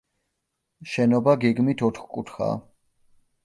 შენობა გეგმით ოთხკუთხაა.